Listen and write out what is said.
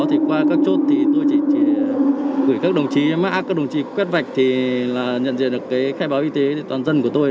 thì qua các chốt thì tôi chỉ gửi các đồng chí mã các đồng chí quét vạch thì là nhận diện được cái khai báo y tế toàn dân của tôi